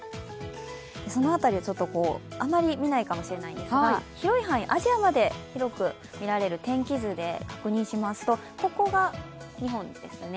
その辺りを、あまり見ないかもしれないんですが、アジアまで見られる広く見られる天気図で確認しますと、ここが日本ですね。